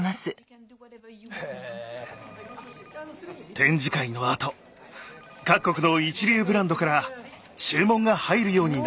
展示会のあと各国の一流ブランドから注文が入るようになりました。